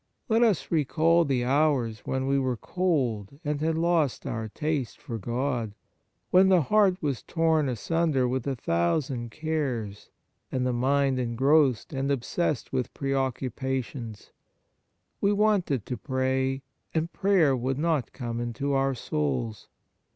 Let us recall the hours when we were cold and had lost our taste for God, when the heart was torn asunder with a thousand cares and the mind engrossed and obsessed with preoccupations : we wanted to pray, and prayer would not come into our souls.